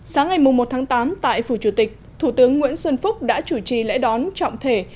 sáng ngày một tháng tám tại phủ chủ tịch thủ tướng nguyễn xuân phúc đã chủ trì lễ đón trọng thể